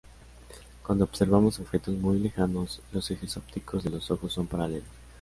Cuando observamos objetos muy lejanos, los ejes ópticos de los ojos son paralelos.